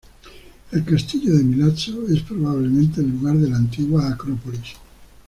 El castillo de Milazzo es probablemente el lugar de la antigua acrópolis.